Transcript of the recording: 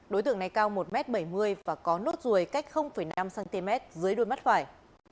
đối tượng này cao một m bảy mươi và có nốt ruồi cách năm cm dưới đuôi mắt phải